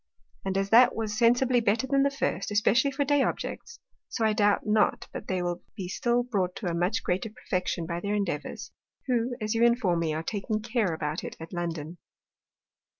And as that was sensibly better than the first (especially for Day Objects,) so I doubt not but they will be still brought to a much greater perfection by their Endeavours, who, as you inform me, are taking care about it at London.